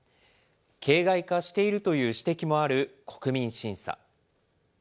形骸化しているという指摘もある国民審査。